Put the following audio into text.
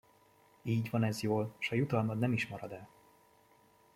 Így van ez jól, s a jutalmad nem is marad el!